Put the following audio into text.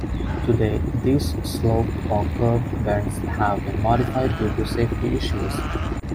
Today these sloped or curved bends have been modified due to safety issues.